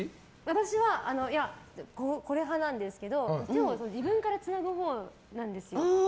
私は、これ派なんですけど手を自分からつなぐほうなんですよ。